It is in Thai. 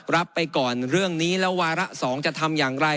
รับไปก่อนเรื่องนี้แล้ววาระ๒จะทำอย่างไร